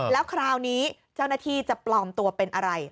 แล้วคราวนี้เจ้าหน้าที่จะปลอมตัวเป็นอะไร